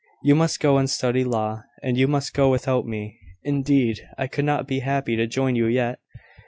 You must go and study law, and you must go without me. Indeed, I could not be happy to join you yet.